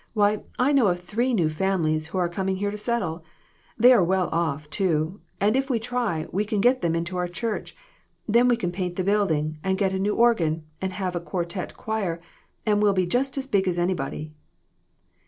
Why, I know of three new families who are coming here to settle. They are well off, too, and if we try, we can get them into our church. Then we can paint the building, and get a new organ, and have a quartette choir, and we'll just be as big as anybody."